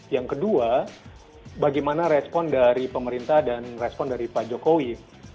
yang kedua bagaimana respon dari pemerintah dan respon dari pak jokowi